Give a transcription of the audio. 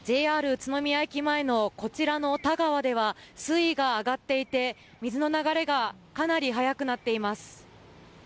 宇都宮駅前のこちらの田川では水位が上がっていて水の流れがかなり速くなっています。